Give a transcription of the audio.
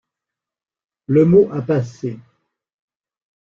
Le mot a passé.